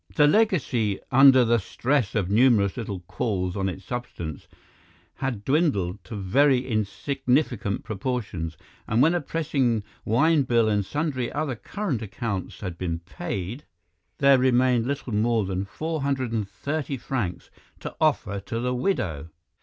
The legacy, under the stress of numerous little calls on its substance, had dwindled to very insignificant proportions, and when a pressing wine bill and sundry other current accounts had been paid, there remained little more than 430 francs to offer to the widow.